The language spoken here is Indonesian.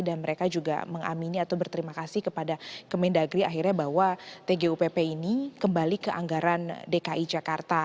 dan mereka juga mengamini atau berterima kasih kepada mendagri akhirnya bahwa tgupp ini kembali ke anggaran dki jakarta